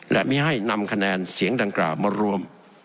และไม่ให้นำคะแนนเสียงดังกล่าวมารวม